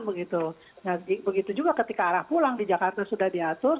begitu juga ketika arah pulang di jakarta sudah diatur